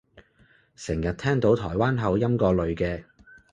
成日聽到台灣口音個女嘅